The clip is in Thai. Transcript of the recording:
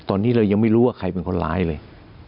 ตอนนี้เรายังไม่รู้ว่าใครเป็นคนร้ายเลย